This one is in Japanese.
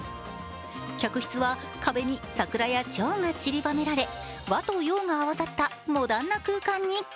客室は壁に桜やちょうがちりばめられ和と洋が合わさったモダンな空間に。